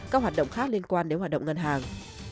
các hoạt động khác liên quan đến hoạt động ngân hàng